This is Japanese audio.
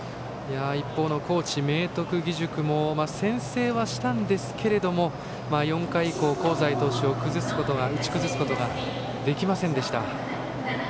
一方の高知・明徳義塾も先制をしたんですが４回以降、香西投手を打ち崩すことができませんでした。